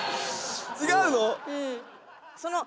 違うの？